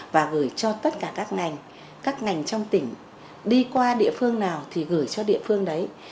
và gửi cho tất cả các ngành các ngành trong tỉnh đi qua địa phương nào thì gửi cho địa phương đấy